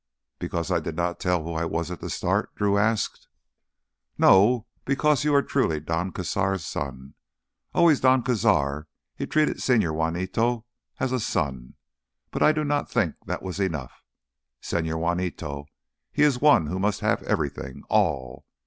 "Because I did not tell who I was at the start?" Drew asked. "No—because you are truly Don Cazar's son. Always Don Cazar, he treated Señor Juanito as a son, but I do not think that was enough. Señor Juanito, he is one who must have everything, all.